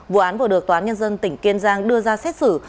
vụ án vừa được tòa án nhân dân tỉnh kiên giang đưa ra xét xử